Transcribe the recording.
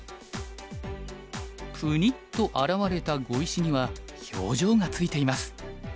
ぷにっと現れた碁石には表情がついています。